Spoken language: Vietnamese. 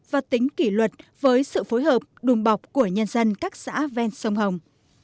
và tính kỷ luật với sự phối hợp đùm bọc của nhân dân các xã ven sông hồng